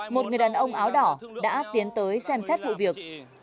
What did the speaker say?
một người đàn ông áo đỏ đã tiến tới xem xét vụ việc